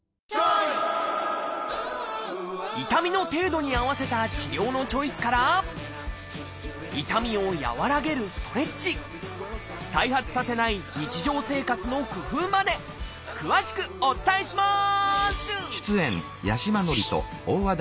痛みの程度に合わせた治療のチョイスから痛みを和らげるストレッチ再発させない日常生活の工夫まで詳しくお伝えします！